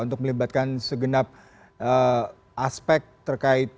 untuk melibatkan segenap aspek terkait